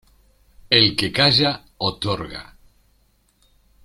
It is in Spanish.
El que calla, otorga.